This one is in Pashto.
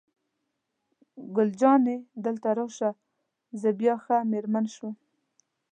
ګل جانې: دلته راشه، زه بیا ښه مېرمن شوم.